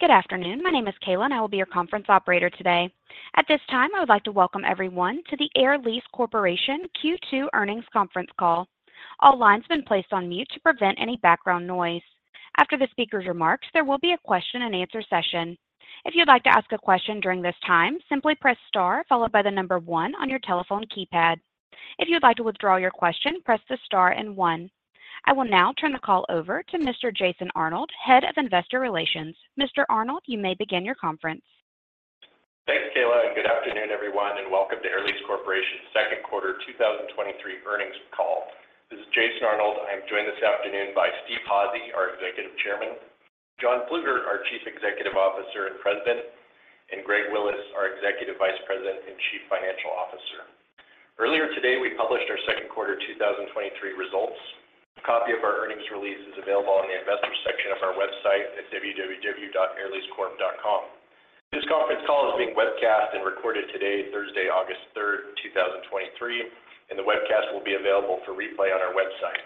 Good afternoon. My name is Kayla, and I will be your conference Operator today. At this time, I would like to welcome everyone to the Air Lease Corporation Q2 earnings conference call. All lines have been placed on mute to prevent any background noise. After the speaker's remarks, there will be a question-and-answer session. If you'd like to ask a question during this time, simply press star followed by the number one on your telephone keypad. If you'd like to withdraw your question, press the star and one. I will now turn the call over to Mr. Jason Arnold, Head of Investor Relations. Mr. Arnold, you may begin your conference. Thanks, Kayla, and good afternoon, everyone, and welcome to Air Lease Corporation's 2Q 2023 earnings call. This is Jason Arnold. I'm joined this afternoon by Steve Udvar-Házy, our Executive Chairman, John Plueger, our Chief Executive Officer and President, and Greg Willis, our Executive Vice President and Chief Financial Officer. Earlier today, we published our 2Q 2023 results. A copy of our earnings release is available on the Investor section of our website at www.airleasecorp.com. This conference call is being webcast and recorded today, Thursday, August 3rd, 2023, and the webcast will be available for replay on our website.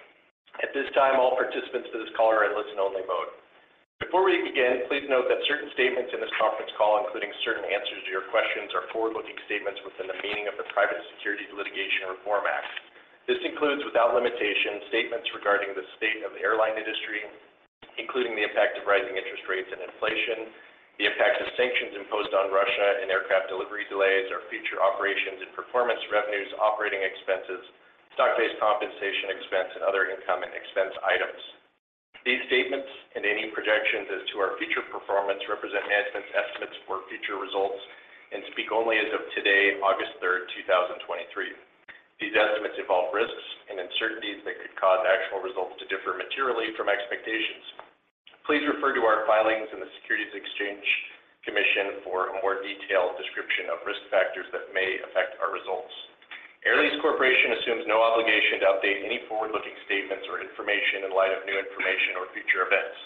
At this time, all participants to this call are in listen-only mode. Before we begin, please note that certain statements in this conference call, including certain answers to your questions, are forward-looking statements within the meaning of the Private Securities Litigation Reform Act. This includes, without limitation, statements regarding the state of the Airline industry, including the impact of rising interest rates and inflation, the impact of sanctions imposed on Russia and Aircraft delivery delays, our future operations and performance revenues, operating expenses, stock-based compensation expense, and other income and expense items. These statements and any projections as to our future performance represent management's estimates for future results and speak only as of today, August 3, 2023. These estimates involve risks and uncertainties that could cause actual results to differ materially from expectations. Please refer to our filings in the Securities and Exchange Commission for a more detailed description of risk factors that may affect our results. Air Lease Corporation assumes no obligation to update any forward-looking statements or information in light of new information or future events.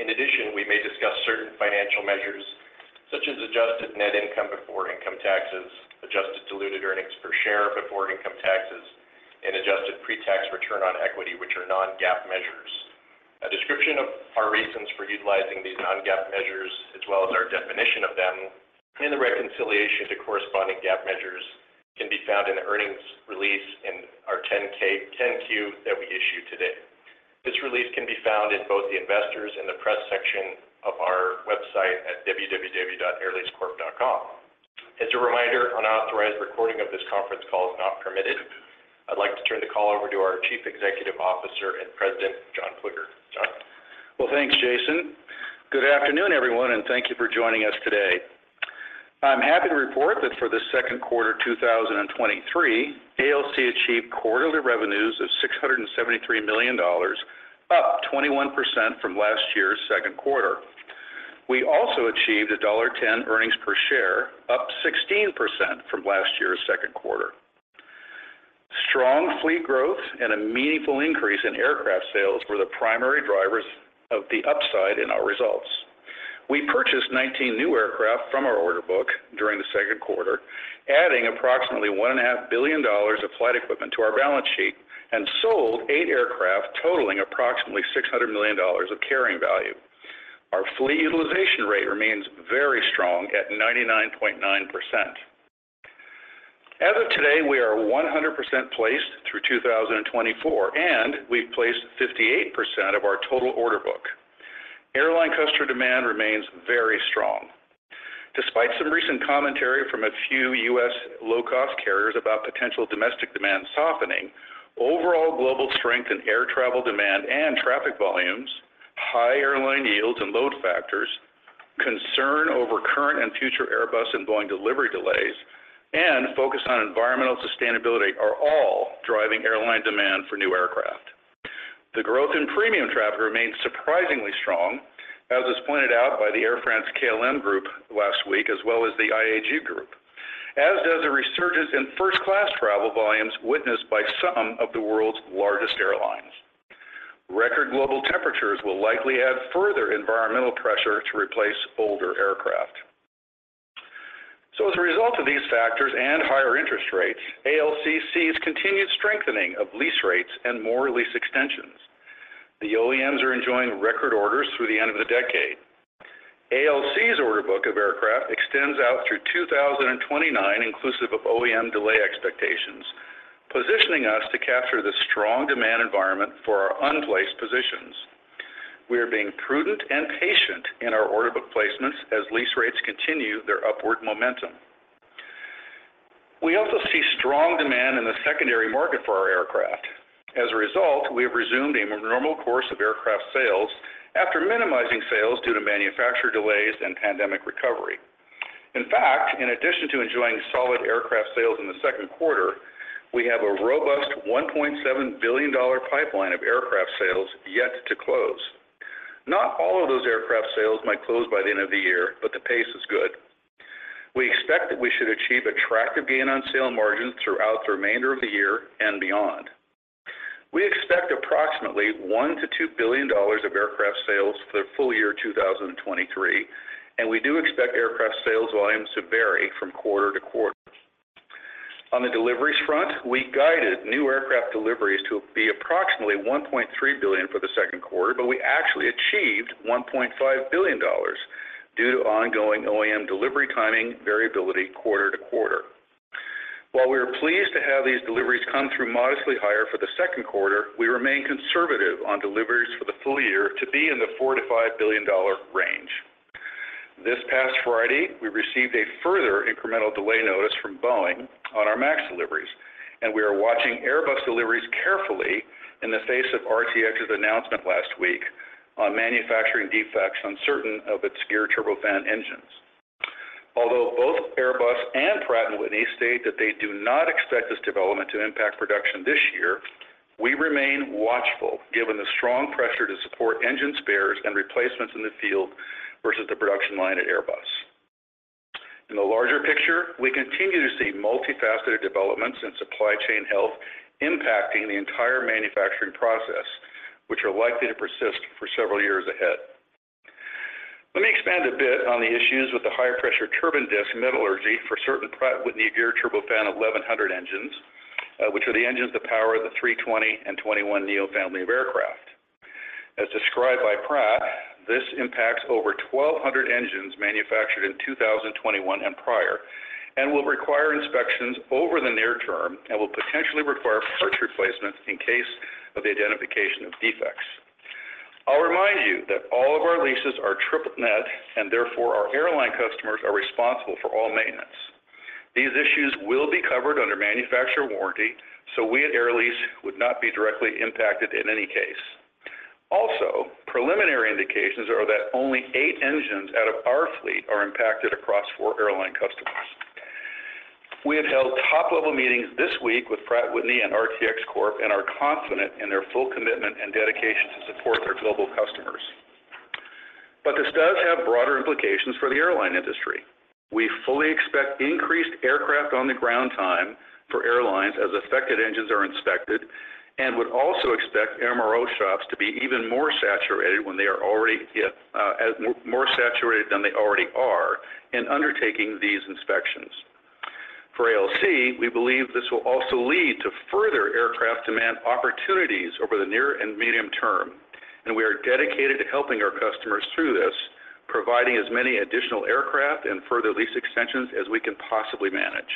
In addition, we may discuss certain financial measures such as adjusted net income before income taxes, adjusted diluted earnings per share before income taxes, and adjusted pre-tax return on equity, which are non-GAAP measures. A description of our reasons for utilizing these non-GAAP measures, as well as our definition of them and the reconciliation to corresponding GAAP measures, can be found in the earnings release in our 10-K, 10-Q that we issued today. This release can be found in both the Investors and the press section of our website at www.airleasecorp.com. As a reminder, unauthorized recording of this conference call is not permitted. I'd like to turn the call over to our Chief Executive Officer and President, John Plueger. John? Well, thanks, Jason. Good afternoon, everyone. Thank you for joining us today. I'm happy to report that for the second quarter 2023, ALC achieved quarterly revenues of $673 million, up 21% from last year's second quarter. We also achieved a $1.10 earnings per share, up 16% from last year's second quarter. Strong Fleet growth and a meaningful increase in Aircraft sales were the primary drivers of the upside in our results. We purchased 19 new Aircraft from our order book during the second quarter, adding approximately $1.5 billion of flight equipment to our balance sheet, and sold 8 Aircraft totaling approximately $600 million of carrying value. Our Fleet utilization rate remains very strong at 99.9%. As of today, we are 100% placed through 2024. We've placed 58% of our total order book. Airline customer demand remains very strong. Despite some recent commentary from a few U.S. low-cost carriers about potential domestic demand softening, overall global strength in air travel demand and traffic volumes, high Airline yields and load factors, concern over current and future Airbus and Boeing delivery delays, and focus on environmental sustainability are all driving Airline demand for new Aircraft. The growth in premium traffic remains surprisingly strong, as was pointed out by the Air France KLM Group last week, as well as the IAG Group, as does a resurgence in first-class travel volumes witnessed by some of the world's largest Airlines. Record global temperatures will likely add further environmental pressure to replace older Aircraft. As a result of these factors and higher interest rates, ALC sees continued strengthening of lease rates and more lease extensions. The OEMs are enjoying record orders through the end of the decade. ALC's order book of Aircraft extends out through 2029, inclusive of OEM delay expectations, positioning us to capture the strong demand environment for our unplaced positions. We are being prudent and patient in our order book placements as lease rates continue their upward momentum. We also see strong demand in the secondary market for our Aircraft. As a result, we have resumed a normal course of Aircraft sales after minimizing sales due to manufacturer delays and pandemic recovery. In fact, in addition to enjoying solid Aircraft sales in the second quarter, we have a robust $1.7 billion pipeline of Aircraft sales yet to close. Not all of those Aircraft sales might close by the end of the year, but the pace is good. We expect that we should achieve attractive gain on sale margins throughout the remainder of the year and beyond. We expect approximately $1 billion-$2 billion of Aircraft sales for the full year 2023, and we do expect Aircraft sales volumes to vary from quarter to quarter. On the deliveries front, we guided new Aircraft deliveries to be approximately $1.3 billion for the second quarter, but we actually achieved $1.5 billion due to ongoing OEM delivery timing variability quarter to quarter. While we are pleased to have these deliveries come through modestly higher for the second quarter, we remain conservative on deliveries for the full year to be in the $4 billion-$5 billion range. This past Friday, we received a further incremental delay notice from Boeing on our MAX deliveries, and we are watching Airbus deliveries carefully in the face of RTX's announcement last week on manufacturing defects on certain of its Geared Turbofan engines. Although both Airbus and Pratt & Whitney state that they do not expect this development to impact production this year, we remain watchful, given the strong pressure to support engine spares and replacements in the field versus the production line at Airbus. In the larger picture, we continue to see multifaceted developments in supply chain health impacting the entire manufacturing process, which are likely to persist for several years ahead. Let me expand a bit on the issues with the high-pressure turbine disk metallurgy for certain Pratt & Whitney Geared Turbofan 1,100 engines, which are the engines that power the A320 and A321neo family of Aircraft. As described by Pratt, this impacts over 1,200 engines manufactured in 2021 and prior, and will require inspections over the near term and will potentially require parts replacements in case of the identification of defects. I'll remind you that all of our leases are triple net, and therefore our Airline customers are responsible for all maintenance. These issues will be covered under manufacturer warranty, so we at Air Lease would not be directly impacted in any case. Preliminary indications are that only 8 engines out of our Fleet are impacted across four Airline customers. We have held top-level meetings this week with Pratt & Whitney and RTX Corp, and are confident in their full commitment and dedication to support their global customers. This does have broader implications for the Airline industry. We fully expect increased Aircraft on the ground time for Airlines as affected engines are inspected, and would also expect MRO shops to be even more saturated when they are already, as more saturated than they already are in undertaking these inspections. For ALC, we believe this will also lead to further Aircraft demand opportunities over the near and medium term, and we are dedicated to helping our customers through this, providing as many additional Aircraft and further lease extensions as we can possibly manage.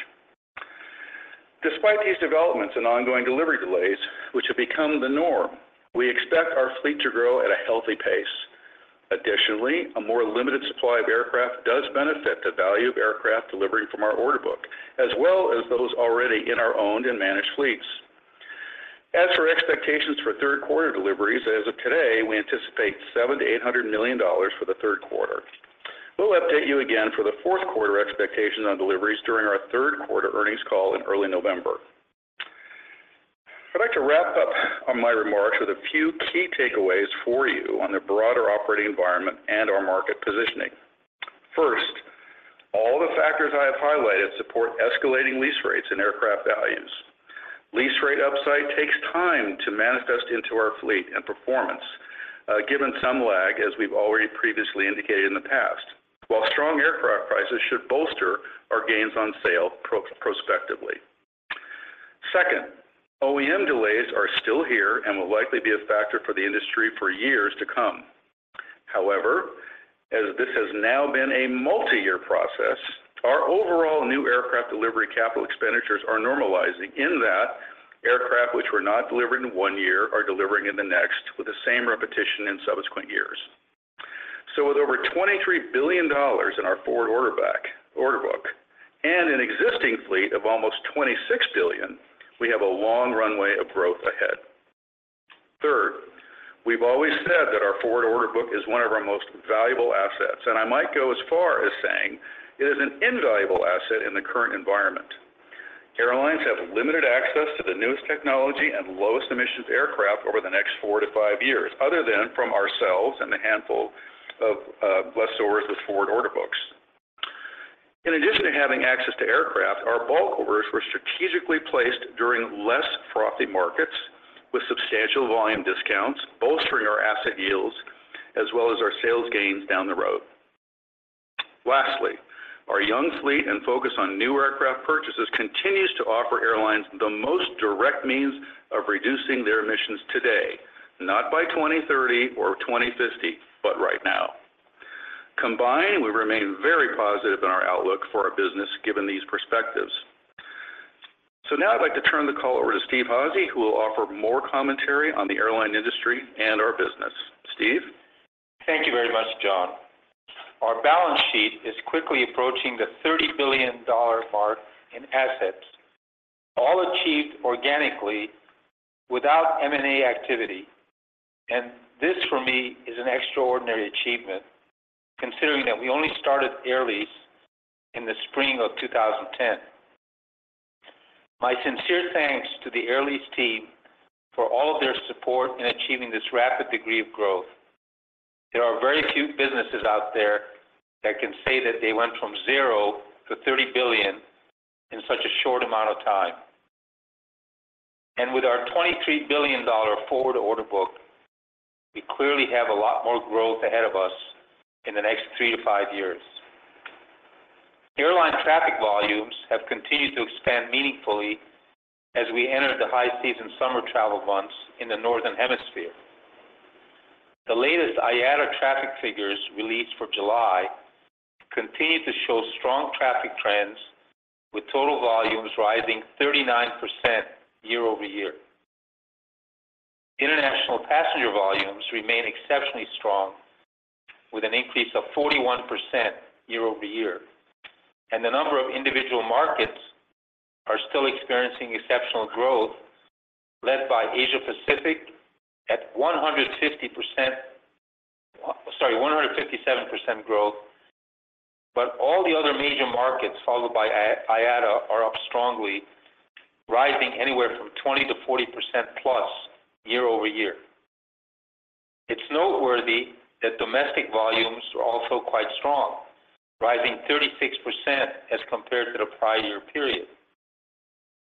Despite these developments and ongoing delivery delays, which have become the norm, we expect our Fleet to grow at a healthy pace. Additionally, a more limited supply of Aircraft does benefit the value of Aircraft delivery from our order book, as well as those already in our owned and managed Fleets. As for expectations for third quarter deliveries, as of today, we anticipate $700 million-$800 million for the third quarter. We'll update you again for the fourth quarter expectations on deliveries during our third quarter earnings call in early November. I'd like to wrap up on my remarks with a few key takeaways for you on the broader operating environment and our market positioning. First, all the factors I have highlighted support escalating lease rates and Aircraft values. Lease rate upside takes time to manifest into our Fleet and performance, given some lag, as we've already previously indicated in the past, while strong Aircraft prices should bolster our gains on sale prospectively. Second, OEM delays are still here and will likely be a factor for the industry for years to come. However, as this has now been a multiyear process, our overall new Aircraft delivery capital expenditures are normalizing in that Aircraft which were not delivered in one year are delivering in the next with the same repetition in subsequent years. With over $23 billion in our forward order back-order book and an existing Fleet of almost $26 billion, we have a long runway of growth ahead. Third, we've always said that our forward order book is one of our most valuable assets, and I might go as far as saying it is an invaluable asset in the current environment. Airlines have limited access to the newest technology and lowest emissions Aircraft over the next four to five years, other than from ourselves and a handful of lessors with forward order books. In addition to having access to Aircraft, our bulk orders were strategically placed during less frothy markets with substantial volume discounts, bolstering our asset yields as well as our sales gains down the road. Lastly, our young Fleet and focus on new Aircraft purchases continues to offer Airlines the most direct means of reducing their emissions today, not by 2030 or 2050, but right now. Combined, we remain very positive in our outlook for our business, given these perspectives. Now I'd like to turn the call over to Steve Házy who will offer more commentary on the Airline industry and our business. Steve? Thank you very much, John. Our balance sheet is quickly approaching the $30 billion mark in assets, all achieved organically without M&A activity. This, for me, is an extraordinary achievement, considering that we only started Air Lease in the spring of 2010. My sincere thanks to the Air Lease team for all of their support in achieving this rapid degree of growth. There are very few businesses out there that can say that they went from 0 to $30 billion in such a short amount of time. With our $23 billion forward order book, we clearly have a lot more growth ahead of us in the next three to five years. Airline traffic volumes have continued to expand meaningfully as we entered the high season summer travel months in the Northern Hemisphere. The latest IATA traffic figures released for July continued to show strong traffic trends, with total volumes rising 39% year-over-year. International passenger volumes remain exceptionally strong, with an increase of 41% year-over-year, and the number of individual markets are still experiencing exceptional growth, led by Asia Pacific at 150%, sorry, 157% growth. All the other major markets followed by IATA are up strongly, rising anywhere from 20%-40%+ year-over-year. It's noteworthy that domestic volumes are also quite strong, rising 36% as compared to the prior year period.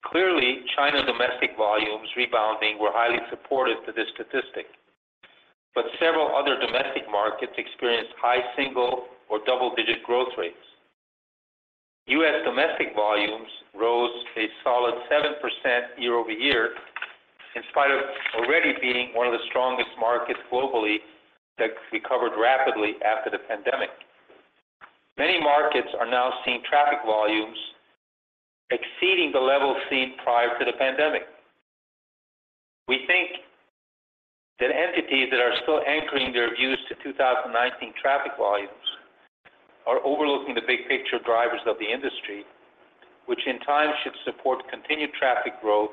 Clearly, China domestic volumes rebounding were highly supportive to this statistic, but several other domestic markets experienced high single or double-digit growth rates. U.S. domestic volumes rose a solid 7% year-over-year, in spite of already being one of the strongest markets globally that recovered rapidly after the pandemic. Many markets are now seeing traffic volumes exceeding the levels seen prior to the pandemic. We think that entities that are still anchoring their views to 2019 traffic volumes are overlooking the big picture drivers of the industry, which in time should support continued traffic growth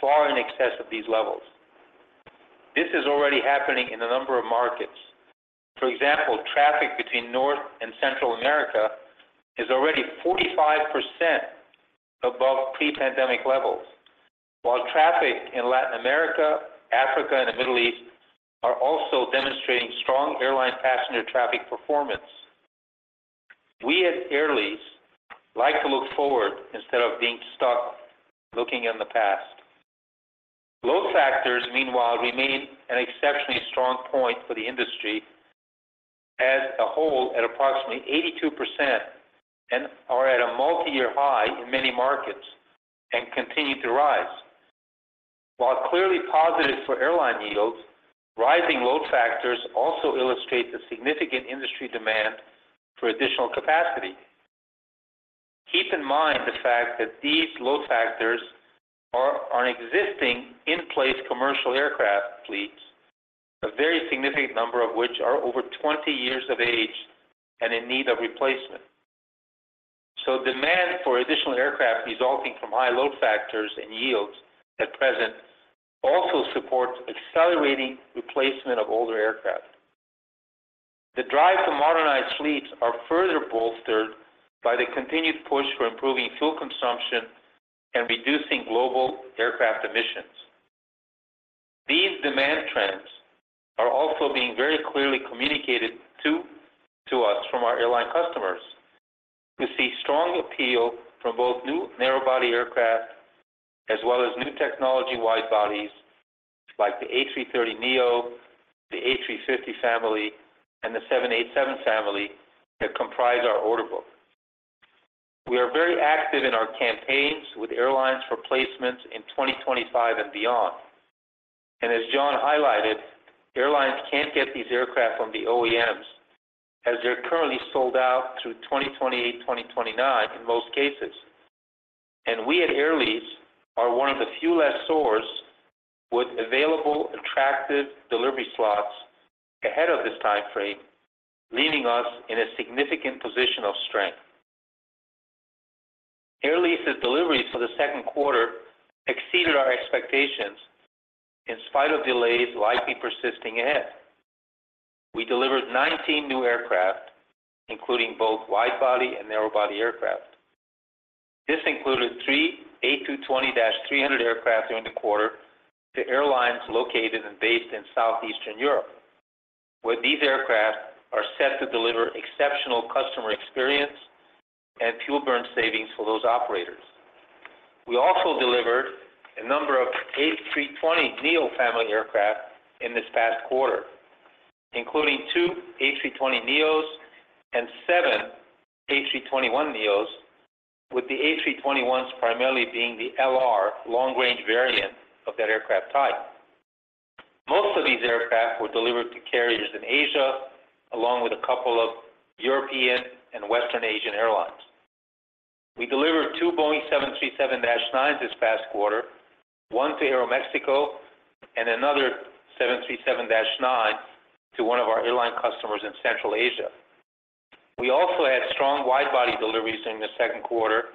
far in excess of these levels. This is already happening in a number of markets. For example, traffic between North and Central America is already 45% above pre-pandemic levels, while traffic in Latin America, Africa, and the Middle East are also demonstrating strong Airline passenger traffic performance. We at Air Lease like to look forward instead of being stuck looking in the past. Load factors, meanwhile, remain an exceptionally strong point for the industry as a whole, at approximately 82%, and are at a multi-year high in many markets and continue to rise. While clearly positive for Airline yields, rising load factors also illustrate the significant industry demand for additional capacity. Keep in mind the fact that these load factors are existing in place commercial Aircraft Fleets, a very significant number of which are over 20 years of age and in need of replacement. Demand for additional Aircraft resulting from high load factors and yields at present also supports accelerating replacement of older Aircraft. The drive to modernize Fleets are further bolstered by the continued push for improving fuel consumption and reducing global Aircraft Emissions. These demand trends are also being very clearly communicated to us from our Airline customers. We see strong appeal from both new narrow-body Aircraft as well as new technology wide-bodies like the A330neo, the A350 family, and the 787 family that comprise our order book. We are very active in our campaigns with Airlines for placements in 2025 and beyond. As John highlighted, Airlines can't get these Aircraft from the OEMs as they're currently sold out through 2028, 2029 in most cases. We at Air Lease are one of the few less source with available, attractive delivery slots ahead of this time frame, leaving us in a significant position of strength. Air Lease's deliveries for the second quarter exceeded our expectations, in spite of delays likely persisting ahead. We delivered 19 new Aircraft, including both wide-body and narrow-body Aircraft. This included 3 A220-300 Aircraft during the quarter to Airlines located and based in Southeastern Europe, where these Aircraft are set to deliver exceptional customer experience and Fuel burn savings for those Operators. We also delivered a number of A320neo family Aircraft in this past quarter, including 2 A320neos and 7 A321neos, with the A321s primarily being the LR, long-range variant of that Aircraft type. Most of these Aircraft were delivered to carriers in Asia, along with a couple of European and Western Asian Airlines. We delivered 2 Boeing 737-9s this past quarter, one to Aeroméxico and another 737-9 to one of our Airline customers in Central Asia. We also had strong wide-body deliveries during the second quarter,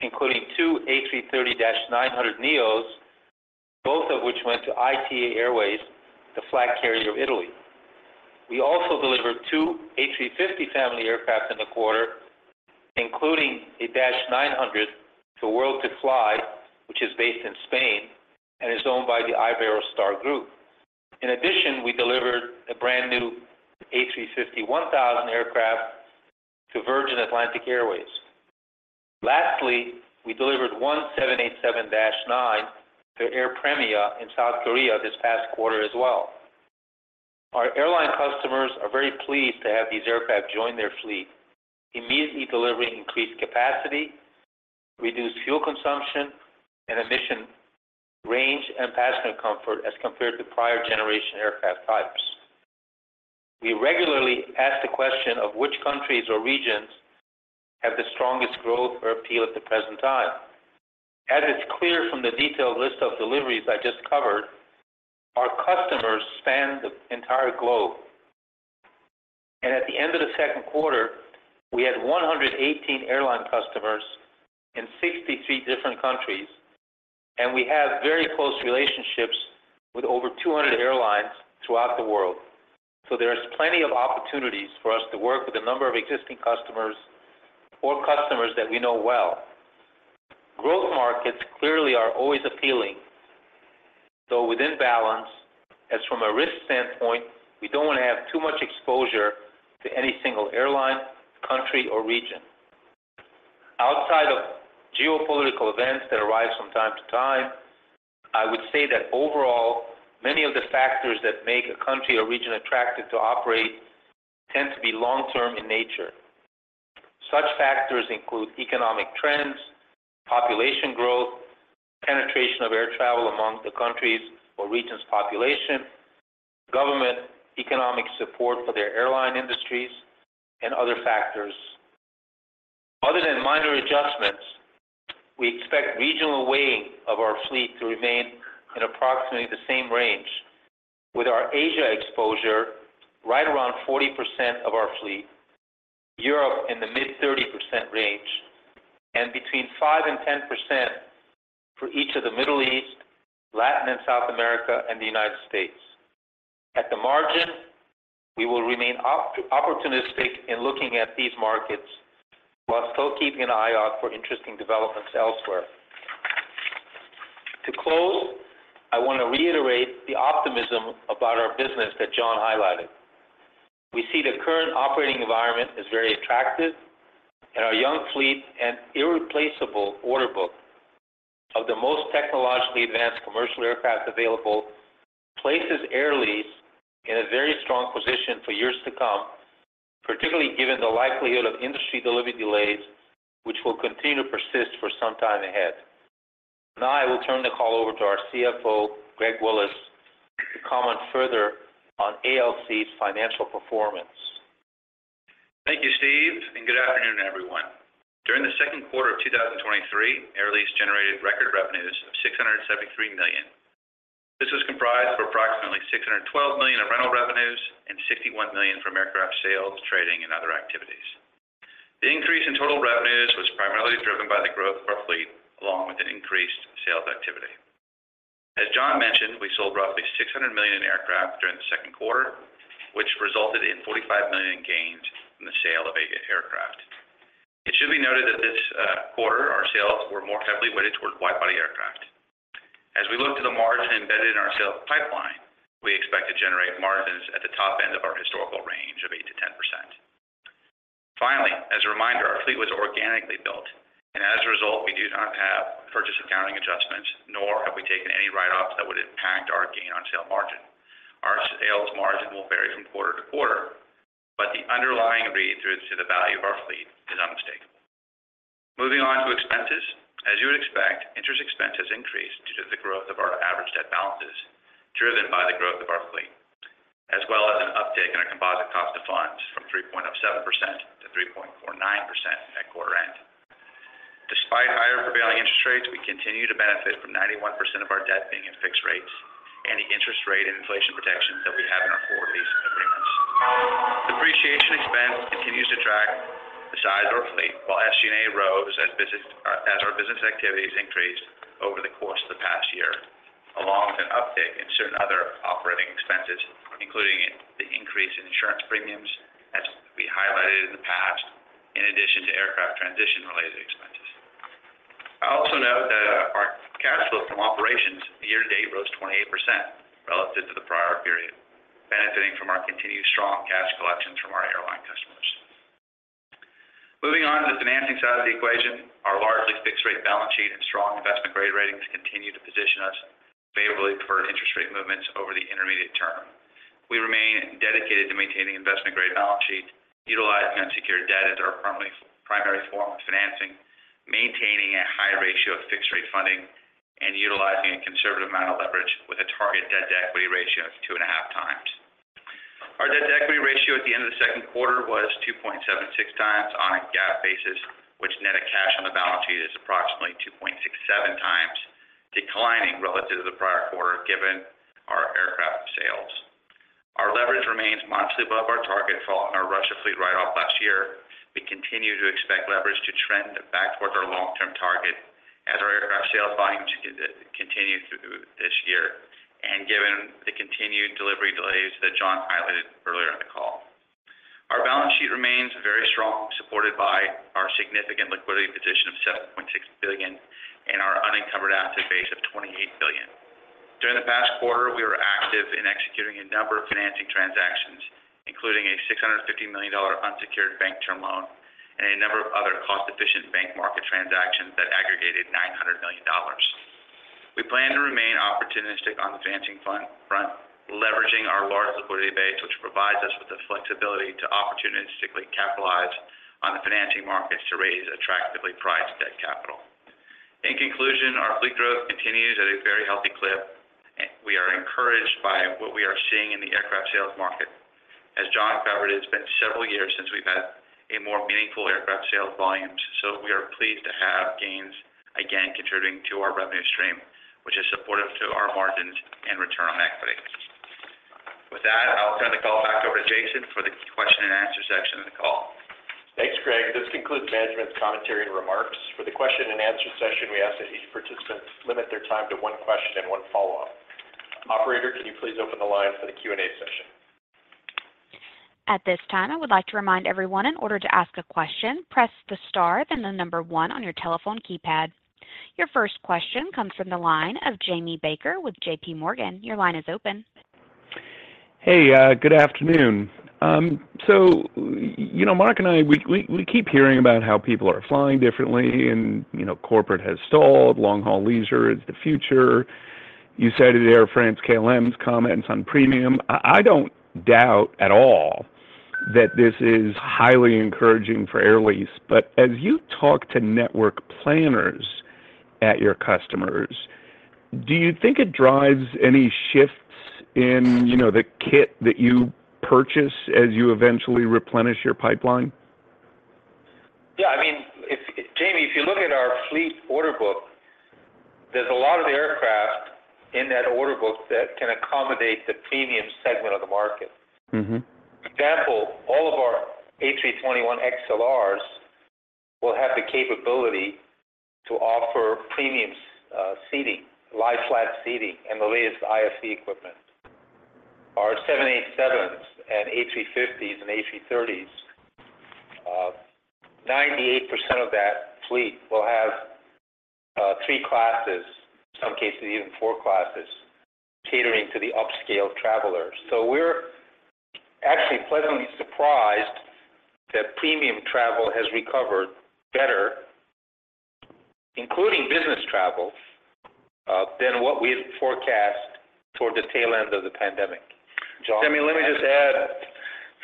including 2 A330-900neos, both of which went to ITA Airways, the flag carrier of Italy. We also delivered 2 A350 family Aircraft in the quarter, including an A350-900 to World2Fly, which is based in Spain and is owned by the Iberostar Group. In addition, we delivered a brand-new A350-1000 Aircraft to Virgin Atlantic Airways. Lastly, we delivered 1 787-9 to Air Premia in South Korea this past quarter as well. Our Airline customers are very pleased to have these Aircraft join their Fleet, immediately delivering increased capacity, reduced fuel consumption and emission range, and passenger comfort as compared to prior generation Aircraft types. We regularly ask the question of which Countries or Regions have the strongest growth or appeal at the present time. As it's clear from the detailed list of deliveries I just covered, our customers span the entire globe. At the end of the second quarter, we had 118 Airline customers in 63 different countries, and we have very close relationships with over 200 Airlines throughout the world. There's plenty of opportunities for us to work with a number of existing customers or customers that we know well. Growth markets clearly are always appealing, though within balance, as from a risk standpoint, we don't want to have too much exposure to any single Airline, country or region. Outside of geopolitical events that arise from time to time, I would say that overall, many of the factors that make a country or region attractive to operate tend to be long-term in nature. Such factors include economic trends, population growth, penetration of air travel among the countries or regions' population, government, economic support for their Airline industries, and other factors. Other than minor adjustments, we expect regional weighing of our Fleet to remain in approximately the same range, with our Asia exposure right around 40% of our Fleet, Europe in the mid 30% range, and between 5% and 10% for each of the Middle East, Latin and South America, and the United States. At the margin, we will remain op-opportunistic in looking at these markets, while still keeping an eye out for interesting developments elsewhere. To close, I want to reiterate the optimism about our business that John highlighted. Our young Fleet and irreplaceable order book of the most technologically advanced commercial Aircraft available, places Air Lease in a very strong position for years to come, particularly given the likelihood of industry delivery delays, which will continue to persist for some time ahead. I will turn the call over to our CFO, Greg Willis, to comment further on ALC's financial performance. Thank you, Steve. Good afternoon, everyone. During the second quarter of 2023, Air Lease generated record revenues of $673 million. This was comprised of approximately $612 million in rental revenues and $61 million from Aircraft sales, trading, and other activities. The increase in total revenues was primarily driven by the growth of our Fleet, along with an increased sales activity. As John mentioned, we sold roughly $600 million in Aircraft during the second quarter, which resulted in $45 million gains from the sale of Aircraft. It should be noted that this quarter, our sales were more heavily weighted towards wide-body Aircraft. As we look to the margin embedded in our sales pipeline, we expect to generate margins at the top end of our historical range of 8%-10%. As a reminder, our Fleet was organically built, as a result, we do not have purchase accounting adjustments, nor have we taken any write-offs that would impact our gain on sale margin. Our sales margin will vary from quarter to quarter, the underlying read-through to the value of our Fleet is unmistakable. Moving on to expenses. As you would expect, interest expense has increased due to the growth of our average debt balances, driven by the growth of our Fleet, as well as an uptick in our composite cost of funds from 3.07% to 3.49% at quarter end. Despite higher prevailing interest rates, we continue to benefit from 91% of our debt being in fixed rates and the interest rate and inflation protections that we have in our core leasing agreements. Depreciation expense continues to track the size of our Fleet, while SG&A rose as our business activities increased over the course of the past year, along with an uptick in certain other operating expenses, including the increase in insurance premiums, as we highlighted in the past, in addition to Aircraft transition-related expenses. I also note that our cash flow from operations year to date rose 28% relative to the prior period, benefiting from our continued strong cash collections from our Airline customers. Moving on to the financing side of the equation, our largely fixed rate balance sheet and strong investment-grade ratings continue to position us favorably for interest rate movements over the intermediate term. We remain dedicated to maintaining investment-grade balance sheets, utilizing unsecured debt as our primary, primary form of financing, maintaining a high ratio of fixed-rate funding, and utilizing a conservative amount of leverage with a target debt-to-equity ratio of 2.5x. Our debt-to-equity ratio at the end of the second quarter was 2.76x on a GAAP basis, which net of cash on the balance sheet is approximately 2.67x declining relative to the prior quarter, given our Aircraft sales. Our leverage remains modestly above our target, following our Russia Fleet write-off last year. We continue to expect leverage to trend back towards our long-term target as our Aircraft sales volume continues through this year and given the continued delivery delays that John highlighted earlier on the call. Our balance sheet remains very strong, supported by our significant liquidity- During the past quarter, we were active in executing a number of financing transactions, including a $650 million unsecured bank term loan and a number of other cost-efficient bank market transactions that aggregated $900 million. We plan to remain opportunistic on the financing front, leveraging our large liquidity base, which provides us with the flexibility to opportunistically capitalize on the financing markets to raise attractively priced debt capital. In conclusion, our Fleet growth continues at a very healthy clip, and we are encouraged by what we are seeing in the Aircraft sales market. As John covered, it's been several years since we've had a more meaningful Aircraft sales volumes, we are pleased to have gains again contributing to our revenue stream, which is supportive to our margins and return on equity. With that, I'll turn the call back over to Jason for the question and answer section of the call. Thanks, Greg. This concludes management's commentary and remarks. For the question and answer session, we ask that each participant limit their time to one question and 1 follow-up. Operator, can you please open the line for the Q&A session? At this time, I would like to remind everyone, in order to ask a question, press the star, then the 1 on your telephone keypad. Your first question comes from the line of Jamie Baker with JPMorgan. Your line is open. Hey, good afternoon. You know, Mark and I, we, we, we keep hearing about how people are flying differently and, you know, corporate has stalled. Long-haul leisure is the future. You cited Air France KLM's comments on premium. I, I don't doubt at all that this is highly encouraging for Air Lease, but as you talk to network planners at your customers, do you think it drives any shifts in, you know, the kit that you purchase as you eventually replenish your pipeline? Yeah, I mean, if, Jamie, if you look at our Fleet order book, there's a lot of the Aircraft in that order book that can accommodate the premium segment of the market. Mm-hmm. For example, all of our A321XLRs will have the capability to offer premium seating, lie-flat seating, and the latest IFE equipment. Our 787s and A350s and A330s, 98% of that Fleet will have three classes, in some cases, even four classes, catering to the upscale travelers. We're actually pleasantly surprised that premium travel has recovered better, including business travel, than what we had forecast toward the tail end of the pandemic. John? Jamie, let me just add.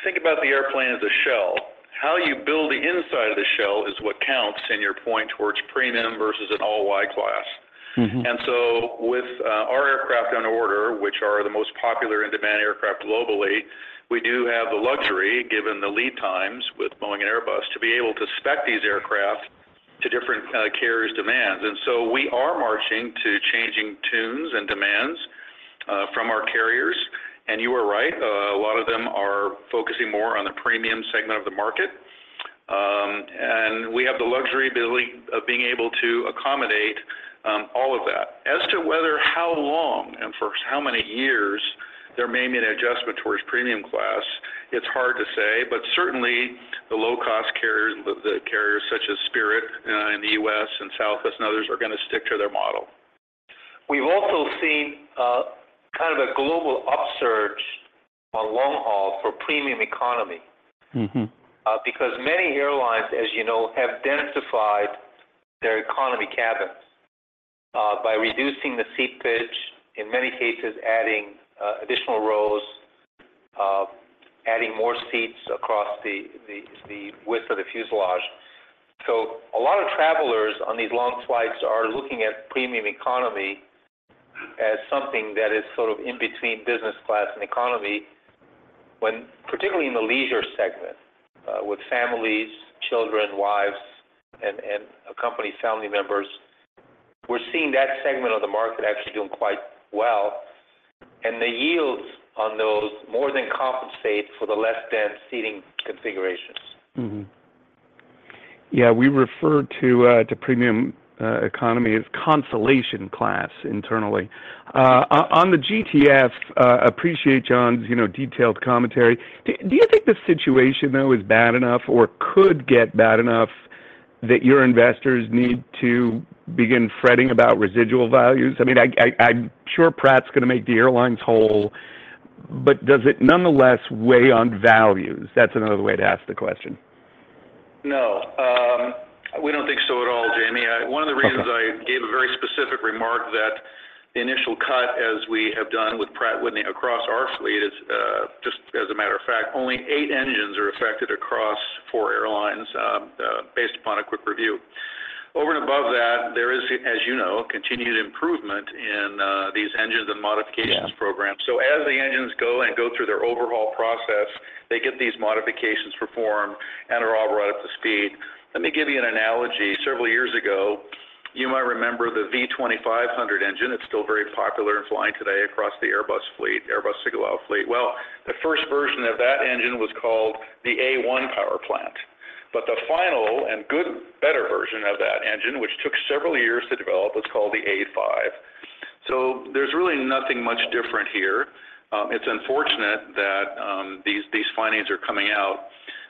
Think about the airplane as a shell. How you build the inside of the shell is what counts in your point towards premium versus an all-wide class. Mm-hmm. With our Aircraft on order, which are the most popular in-demand Aircraft globally, we do have the luxury, given the lead times with Boeing and Airbus, to be able to spec these Aircraft to different carriers' demands. We are marching to changing tunes and demands from our carriers. You are right, a lot of them are focusing more on the premium segment of the market, and we have the luxury of being able to accommodate all of that. As to whether how long and for how many years there may be an adjustment towards premium class, it's hard to say, but certainly the low-cost carriers, the carriers such as Spirit in the U.S. and Southwest and others, are going to stick to their model. We've also seen, kind of a Global upsurge on long haul for premium economy. Mm-hmm. Because many Airlines, as you know, have densified their economy cabins, by reducing the seat pitch, in many cases, adding additional rows, adding more seats across the, the, the width of the fuselage. A lot of travelers on these long flights are looking at premium economy as something that is sort of in between business class and economy, when particularly in the leisure segment, with families, children, wives, and, and accompany family members. We're seeing that segment of the market actually doing quite well, and the yields on those more than compensate for the less-dense seating configurations. Yeah, we refer to premium economy as consolation class internally. On the GTF, appreciate John's, you know, detailed commentary. Do you think the situation, though, is bad enough or could get bad enough that your Investors need to begin fretting about residual values? I mean, I'm sure Pratt's going to make the Airlines whole, but does it nonetheless weigh on values? That's another way to ask the question. No, we don't think so at all, Jamie. Okay. One of the reasons I gave a very specific remark that the initial cut, as we have done with Pratt, with across our Fleet, is, just as a matter of fact, only eight Engines are affected across four Airlines, based upon a quick review. Over and above that, there is, as you know, continued improvement in these engines and modifications programs. Yeah. As the engines go and go through their overhaul process, they get these modifications performed and are all right up to speed. Let me give you an analogy. Several years ago, you might remember the V2500 engine. It's still very popular in flying today across the Airbus Fleet, Airbus to Go Fleet. The first version of that engine was called the V2500-A1 powerplant, the final and good, better version of that engine, which took several years to develop, was called the V2500-A5. There's really nothing much different here. It's unfortunate that these, these findings are coming out.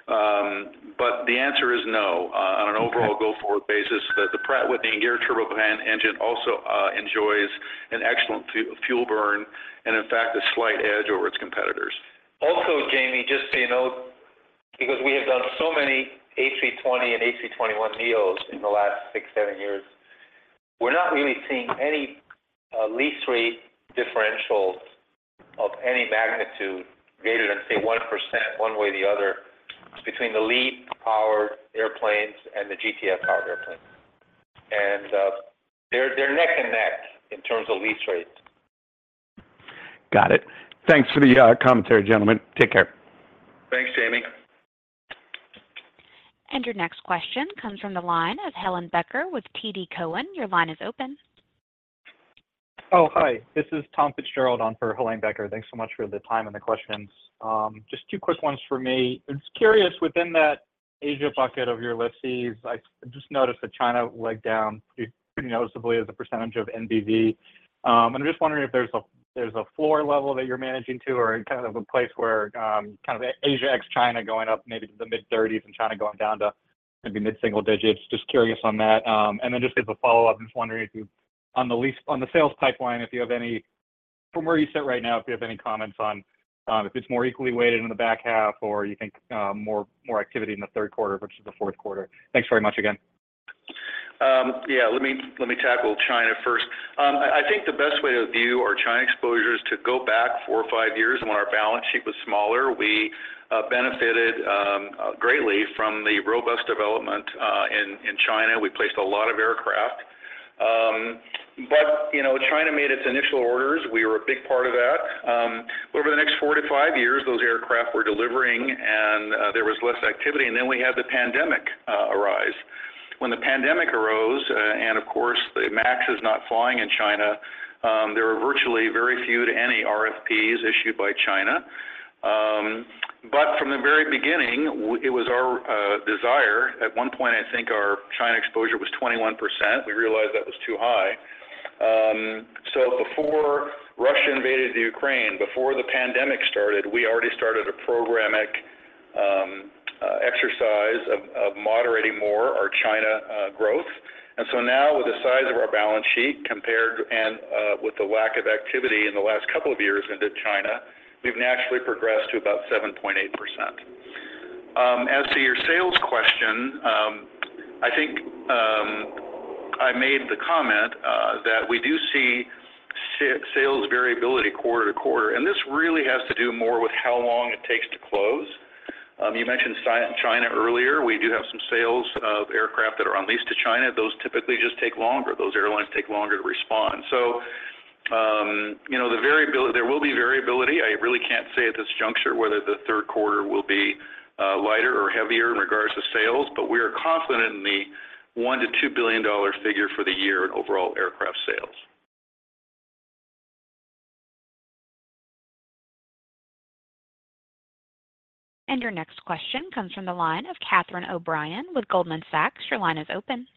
The answer is no. On an overall go-forward basis, the Pratt & Whitney Geared Turbofan engine also enjoys an excellent fuel burn, and in fact, a slight edge over its competitors. Also, Jamie, just so you know, because we have done so many A320 and A321neos in the last six, seven years, we're not really seeing any lease rate differentials of any magnitude greater than, say, 1%, one way or the other, between the LEAP-powered Airplanes and the GTF-powered Airplanes. They're neck and neck in terms of lease rates. Got it. Thanks for the commentary, gentlemen. Take care. Thanks, Jamie. Your next question comes from the line of Helane Becker with TD Cowen. Your line is open. Oh, hi. This is Tom Fitzgerald on for Helane Becker. Thanks so much for the time and the questions. Just two quick ones for me. Just curious, within that Asia bucket of your leases, I just noticed that China went down pretty, pretty noticeably as a percentage of NBV. I'm just wondering if there's a, there's a floor level that you're managing to, or kind of a place where, kind of Asia ex-China going up maybe to the mid-30s and China going down to maybe mid-single digits. Just curious on that. Then just as a follow-up, just wondering if you, on the sales pipeline, if you have any, from where you sit right now, if you have any comments on if it's more equally weighted in the back half, or you think more, more activity in the third quarter versus the fourth quarter? Thanks very much again. Yeah, let me, let me tackle China first. I, I think the best way to view our China exposure is to go back four or five years when our balance sheet was smaller. We benefited greatly from the robust development in China. We placed a lot of Aircraft. You know, China made its initial orders. We were a big part of that. Over the next four or five years, those Aircraft were delivering, and there was less activity, and then we had the pandemic arise. When the pandemic arose, and of course, the MAX is not flying in China, there were virtually very few to any RFPs issued by China. From the very beginning, it was our desire. At one point, I think our China exposure was 21%. We realized that was too high. Before Russia invaded the Ukraine, before the pandemic started, we already started a programmatic exercise of, of moderating more our China growth. Now with the size of our Balance Sheet compared, and with the lack of activity in the last couple of years into China, we've naturally progressed to about 7.8%. As to your sales question, I think I made the comment that we do see sales variability quarter-to-quarter, and this really has to do more with how long it takes to close. You mentioned China earlier. We do have some sales of Aircraft that are on lease to China. Those typically just take longer. Those Airlines take longer to respond. You know, the variability. There will be variability. I really can't say at this juncture whether the third quarter will be lighter or heavier in regards to sales, but we are confident in the $1 billion-$2 billion figure for the year in overall Aircraft sales. Your next question comes from the line of Catherine O'Brien with Goldman Sachs. Your line is open.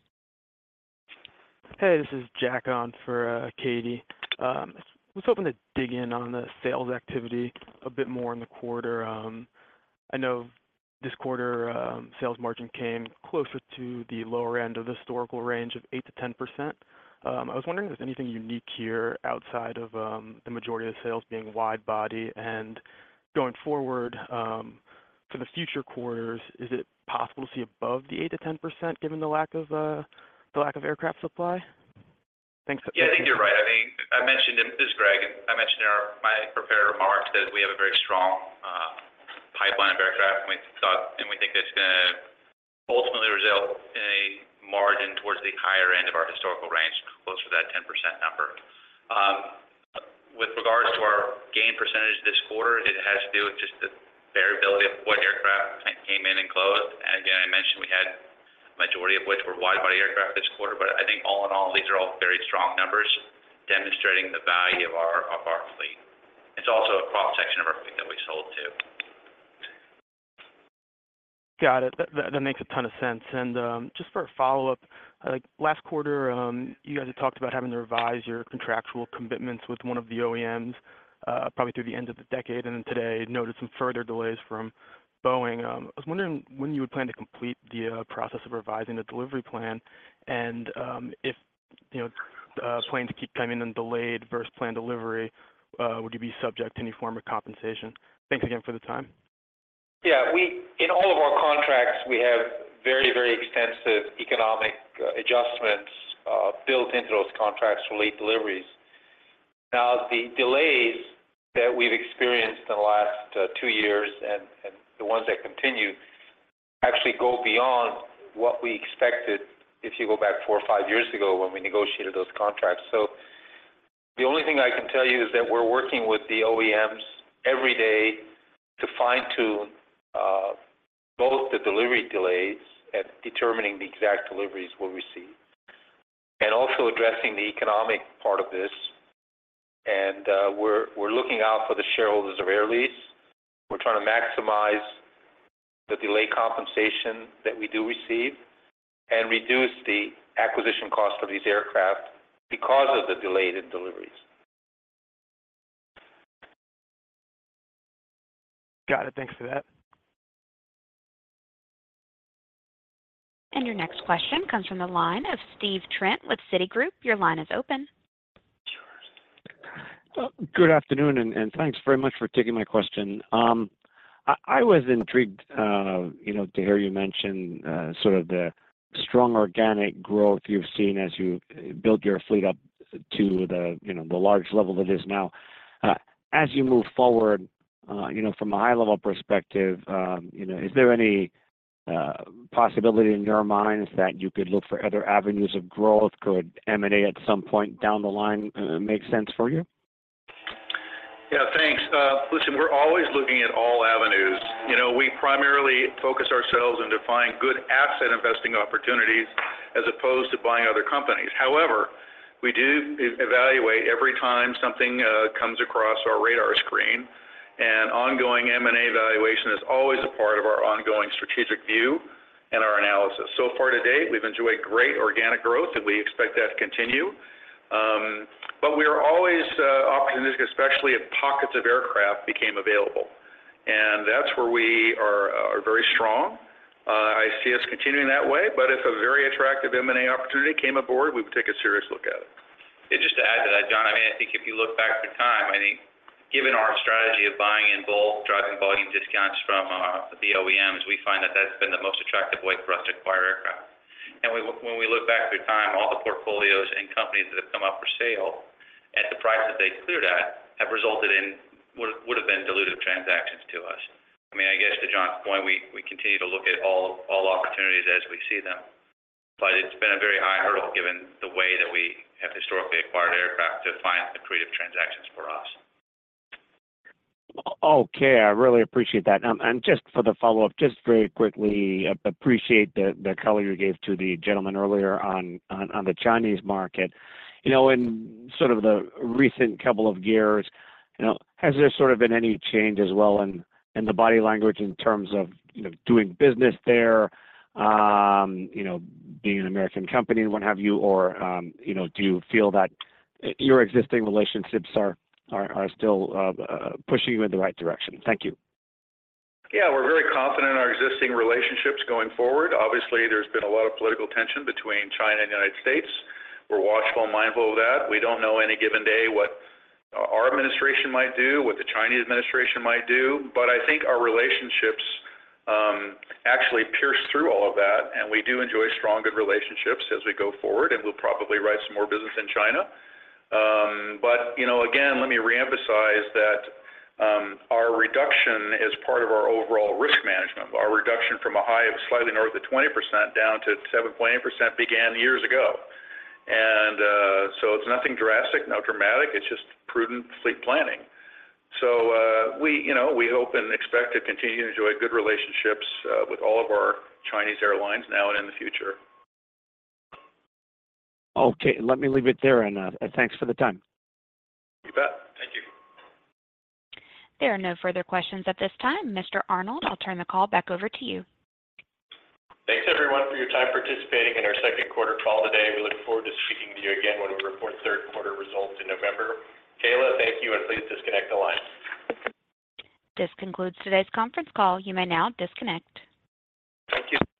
Hey, this is Jack on for Katie. I was hoping to dig in on the sales activity a bit more in the quarter. I know this quarter, sales margin came closer to the lower end of the historical range of 8%-10%. I was wondering if there's anything unique here outside of the majority of sales being wide body and going forward, for the future quarters, is it possible to see above the 8%-10%, given the lack of the lack of Aircraft supply? Thanks. Yeah, I think you're right. I think I mentioned, this is Greg, and I mentioned in our, my prepared remarks that we have a very strong pipeline of Aircraft, and we thought, and we think that's gonna ultimately result in a margin towards the higher end of our historical range, closer to that 10% number. With regards to our gain percentage this quarter, it has to do with just the variability of what Aircraft came in and closed. Again, I mentioned we had majority of which were wide-body Aircraft this quarter, but I think all in all, these are all very strong numbers demonstrating the value of our, of our Fleet. It's also a cross-section of our Fleet that we sold to. Got it. That, that, makes a ton of sense. Just for a follow-up, like last quarter, you guys had talked about having to revise your contractual commitments with one of the OEMs, probably through the end of the decade, and then today noted some further delays from Boeing. I was wondering when you would plan to complete the process of revising the delivery plan, and if, you know, planes keep coming in delayed versus planned delivery, would you be subject to any form of compensation? Thanks again for the time. In all of our contracts, we have very, very extensive economic adjustments built into those contracts for late deliveries. The delays that we've experienced in the last 2 years and, and the ones that continue, actually go beyond what we expected if you go back four or five years ago when we negotiated those contracts. The only thing I can tell you is that we're working with the OEMs every day to fine-tune both the delivery delays and determining the exact deliveries we'll receive, and also addressing the economic part of this. We're, we're looking out for the shareholders of Air Lease. We're trying to maximize the delay compensation that we do receive and reduce the acquisition cost of these Aircraft because of the delayed deliveries. Got it. Thanks for that. Your next question comes from the line of Steve Trent with Citigroup. Your line is open. Sure. good afternoon, and, and thanks very much for taking my question. I, I was intrigued, you know, to hear you mention, sort of the strong organic growth you've seen as you built your Fleet up to the, you know, the large level it is now. As you move forward, you know, from a high-level perspective, you know, is there any possibility in your minds that you could look for other avenues of growth? Could M&A, at some point down the line, make sense for you? Yeah, thanks. Listen, we're always looking at all avenues. You know, we primarily focus ourselves on defining good asset investing opportunities as opposed to buying other companies. However, we do evaluate every time something comes across our radar screen, and ongoing M&A evaluation is always a part of our ongoing strategic view and our analysis. So far, to date, we've enjoyed great organic growth, and we expect that to continue. But we are always opportunistic, especially if pockets of Aircraft became available, and that's where we are, are very strong. I see us continuing that way, but if a very attractive M&A opportunity came aboard, we would take a serious look at it. Just to add to that, John, I mean, I think if you look back through time, I think given our strategy of buying in bulk, driving volume discounts from the OEMs, we find that that's been the most attractive way for us to acquire Aircraft. When we look back through time, all the portfolios and companies that have come up for sale at the price that they cleared at, have resulted in would, would have been dilutive transactions to us. I mean, I guess to John's point, we, we continue to look at all, all opportunities as we see them, but it's been a very high hurdle given the way that we have historically acquired Aircraft to find accretive transactions for us. I really appreciate that. And just for the follow-up, just very quickly, appreciate the, the color you gave to the gentleman earlier on, on, on the Chinese market. You know, in sort of the recent couple of years, you know, has there sort of been any change as well in, in the body language in terms of, you know, doing business there, you know, being an American company and what have you? Or, you know, do you feel that your existing relationships are, are, are still pushing you in the right direction? Thank you. We're very confident in our existing relationships going forward. Obviously, there's been a lot of political tension between China and the United States. We're watchful and mindful of that. We don't know any given day what our Administration might do, what the Chinese administration might do, but I think our relationships actually pierce through all of that, and we do enjoy strong, good relationships as we go forward, and we'll probably write some more business in China. You know, again, let me reemphasize that, our reduction is part of our overall risk management. Our reduction from a high of slightly north of 20% down to 7.8% began years ago, so it's nothing drastic, nothing dramatic, it's just prudent Fleet planning. We, you know, we hope and expect to continue to enjoy good relationships, with all of our Chinese Airlines now and in the future. Okay. Let me leave it there, thanks for the time. You bet. Thank you. There are no further questions at this time. Mr. Arnold, I'll turn the call back over to you. Thanks, everyone, for your time participating in our second quarter call today. We look forward to speaking with you again when we report third quarter results in November. Kayla, thank you, and please disconnect the line. This concludes today's conference call. You may now disconnect. Thank you.